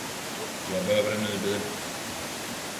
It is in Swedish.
Jag behöver en ny bil